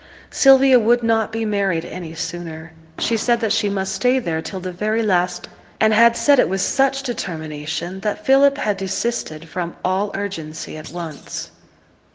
Sylvia would not be married any sooner; she said that she must stay there till the very last; and had said it with such determination that Philip had desisted from all urgency at once.